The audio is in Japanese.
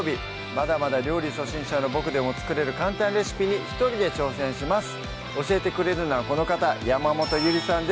まだまだ料理初心者のボクでも作れる簡単レシピに一人で挑戦します教えてくれるのはこの方山本ゆりさんです